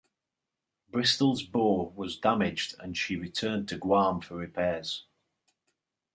"Bristol"s bow was damaged and she returned to Guam for repairs.